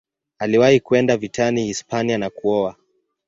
Aliwahi kwenda vitani Hispania na kuoa.